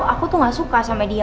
aku tuh gak suka sama dia